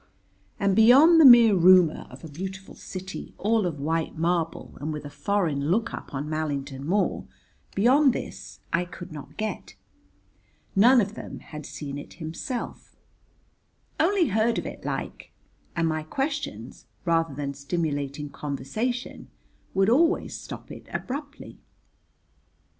And beyond the mere rumour of a beautiful city all of white marble and with a foreign look up on Mallington Moor, beyond this I could not get. None of them had seen it himself, "only heard of it like," and my questions, rather than stimulating conversation, would always stop it abruptly.